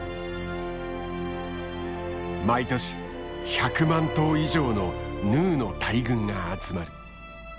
毎年１００万頭以上のヌーの大群が集まる。